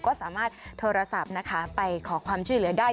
ก็สามารถโทรศัพท์นะคะไปขอความช่วยเหลือได้